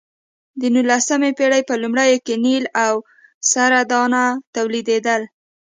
د نولسمې پېړۍ په لومړیو کې نیل او سره دانه تولیدېدل.